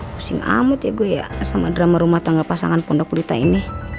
pusing amat ya gue ya sama drama rumah tangga pasangan pondok pelita ini